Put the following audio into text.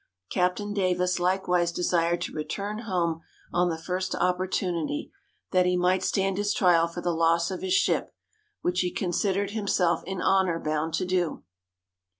Captain Davis likewise desired to return home on the first opportunity, that he might stand his trial for the loss of his ship, which he considered himself in honour bound to do.